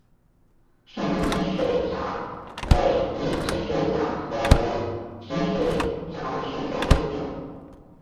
瘦中肢水蚤为异肢水蚤科中肢水蚤属下的一个种。